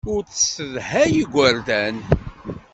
Ur tessedhay igerdan.